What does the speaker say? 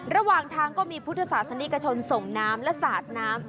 ระหว่างทางก็มีพุทธศาสนิกชนส่งน้ำและสาดน้ำ